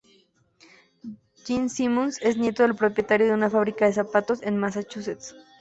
Jim Simons es nieto del propietario de una fábrica de zapatos en Massachusetts.